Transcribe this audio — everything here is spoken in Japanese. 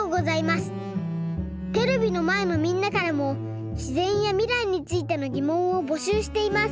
テレビのまえのみんなからもしぜんやみらいについてのぎもんをぼしゅうしています。